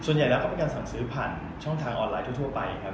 ส่วนใหญ่แล้วก็เป็นการสั่งซื้อผ่านช่องทางออนไลน์ทั่วไปครับ